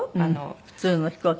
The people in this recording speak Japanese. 普通の飛行機。